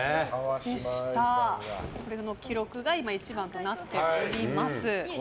この記録が今、一番となっております。